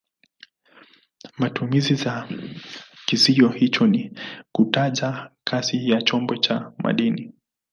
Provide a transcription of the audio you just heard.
Matumizi ya kizio hicho ni kutaja kasi ya chombo cha majini.